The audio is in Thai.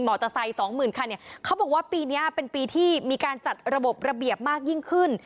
สองหมื่นคันเนี่ยเขาบอกว่าปีนี้เป็นปีที่มีการจัดระบบระเบียบมากยิ่งขึ้น